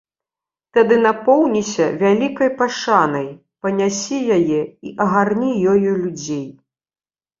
Тады напоўніся вялікай пашанай, панясі яе і агарні ёю людзей.